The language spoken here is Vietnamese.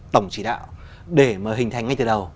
tổng chỉ đạo để mà hình thành ngay từ đầu